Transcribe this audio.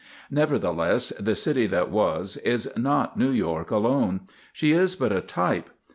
_ _Nevertheless, The City That Was is not New York alone. She is but a type.